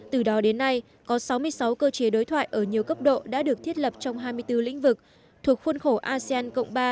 từ đó đến nay có sáu mươi sáu cơ chế đối thoại ở nhiều cấp độ đã được thiết lập trong hai mươi bốn lĩnh vực thuộc khuôn khổ asean cộng ba